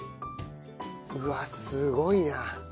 うわっすごいな。